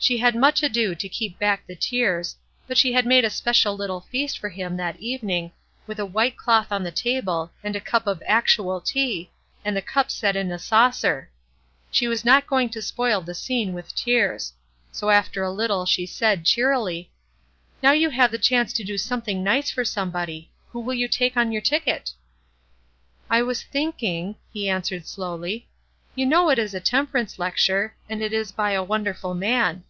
She had much ado to keep back the tears, but she had made a special little feast for him that evening, with a white cloth on the table, and a cup of actual tea, and the cup set in a saucer. She was not going to spoil the scene with tears; so after a little she said, cheerily: "Now you have a chance to do something nice for somebody. Who will you take on your ticket?" "I was thinking," he answered, slowly. "You know it is a temperance lecture, and it is by a wonderful man.